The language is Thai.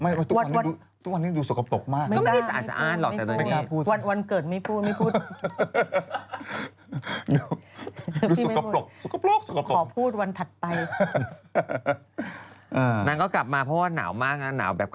ไม่ทุกวันนี้ดูสกปรกมาก